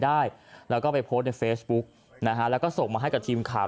ได้แล้วก็ไปโพสต์ในเฟซบุ๊กนะฮะแล้วก็ส่งมาให้กับทีมข่าว